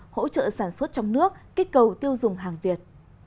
hỗ trợ sản xuất trong nước kích cầu tiêu dùng hàng việt